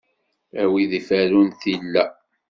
A wid iferrun tilla!